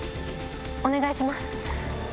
お願いします。